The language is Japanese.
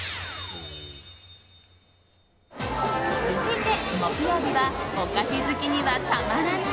続いて木曜日はお菓子好きにはたまらない